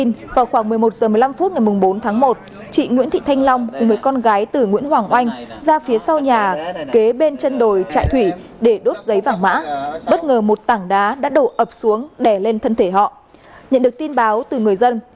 nhận được tin báo từ người dân